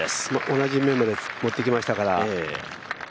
同じ面で持ってきましたから。